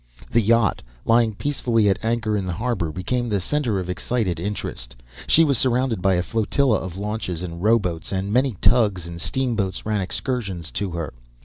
The yacht, lying peacefully at anchor in the harbour, became the centre of excited interest. She was surrounded by a flotilla of launches and rowboats, and many tugs and steamboats ran excursions to her.